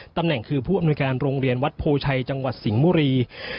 ตำแหน่งคือผู้อำนวยการโรงเรียนวัดโพชัยจังหวัดสิงห์บุรี